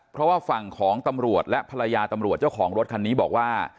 เพราะว่าฝั่งของตำรวจและภรรยาตำรวจเจ้าของรถคันนี้บอกว่า